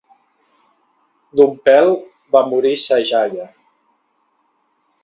D'un pèl va morir sa jaia.